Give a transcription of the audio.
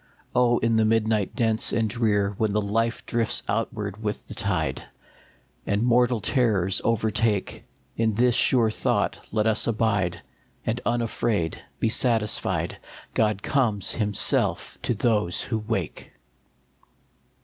Oh, in the midnight dense and drear, When life drifts outward with the tide, And mortal terrors overtake, In this sure thought let us abide, And unafraid be satisfied, God comes himself to those who wake